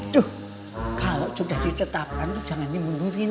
duh kalau sudah dicetapkan tuh jangan dimundurin